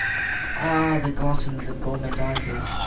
Ah, the gluttons and gormandizers!